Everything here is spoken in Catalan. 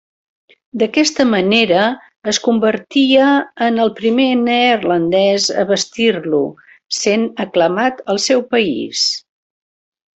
D'aquesta manera es convertia en el primer neerlandès a vestir-lo, sent aclamat al seu país.